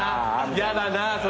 やだなそれ。